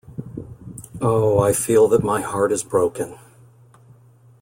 Oh, I feel that my heart is broken.